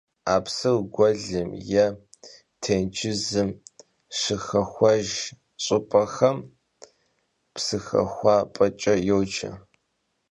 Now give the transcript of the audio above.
Ar psım, guelım yê têncızım şıxexuejj ş'ıp'em psıxexuap'eç'e yoce.